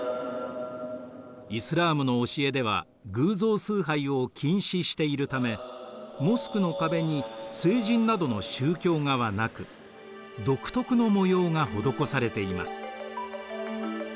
イスラームの教えでは偶像崇拝を禁止しているためモスクの壁に聖人などの宗教画はなく独特の模様が施されています。